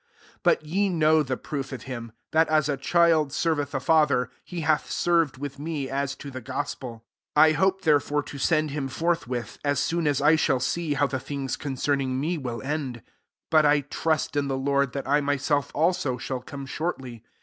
22 But ye know the proof of him ; that, as a child ^trveth a father, he hath served with me as to the gospel. 23 I hope therefore to send him forthwith, as soon as I shall see how the things concerning me will end, 24 Bui I trust in the Lord, that I myself <^so shall come shortly.